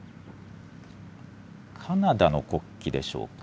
カナダの国旗でしょうか。